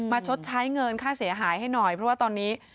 ชดใช้เงินค่าเสียหายให้หน่อยเพราะว่าตอนนี้